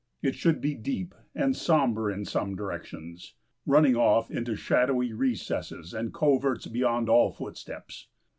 It should be deep and sombre in some directions, running off into shadowy recesses and coverts beyond all footsteps.